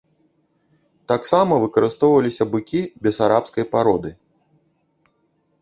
Таксама выкарыстоўваліся быкі бесарабскай пароды.